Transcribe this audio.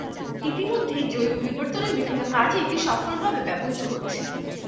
ইতি মধ্যে জৈব বিবর্তনের বিভিন্ন কাজে এটি সফল ভাবে ব্যবহৃত হচ্ছে।